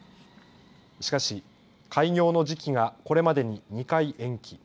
しかし開業の時期がこれまでに２回延期。